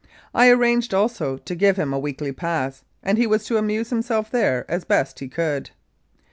I arranged also to give him a weekly pass, and he was to amuse himself there as best he could.